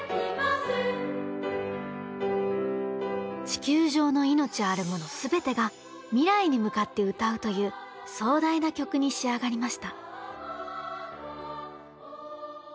地球上の命あるもの全てが未来に向かって歌うという壮大な曲に仕上がりました。